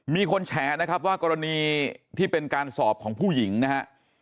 มีคนแฉนะครับว่ากรณีที่เป็นการสอบของผู้หญิงนะฮะ